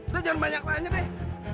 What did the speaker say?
udah jangan banyak banyaknya deh